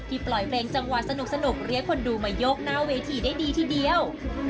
ปล่อยเพลงจังหวะสนุกเรียกคนดูมาโยกหน้าเวทีได้ดีทีเดียว